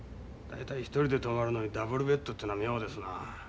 大体１人で泊まるのにダブルベッドっていうのは妙ですな。